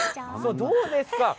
どうですか。